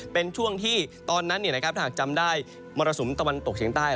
เป็นช่วงที่ตอนนั้นถ้าหากจำได้มรสุมตะวันตกเฉียงใต้